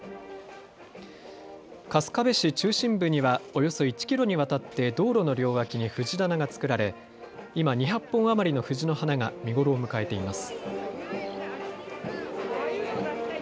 春日部市中心部にはおよそ１キロにわたって道路の両脇に藤棚が作られ今、２００本余りの藤の花が見頃を迎えています。